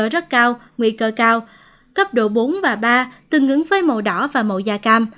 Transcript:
ở rất cao nguy cơ cao cấp độ bốn và ba tương ứng với màu đỏ và màu da cam